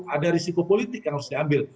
ada risiko politik yang harus diambil